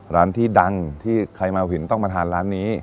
ร้านที่ดังที่ใครมาวินต้องมาทานร้านนี้